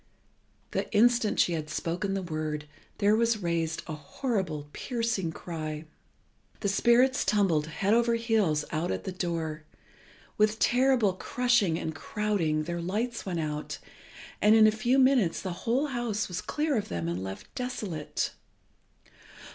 The instant she had spoken the word there was raised a horrible, piercing cry. The spirits tumbled head over heels out at the door, with terrible crushing and crowding, their lights went out, and in a few minutes the whole house was clear of them and left desolate.